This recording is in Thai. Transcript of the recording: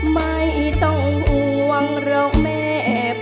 ไม่ต้องอุวังเราแม่พ่อ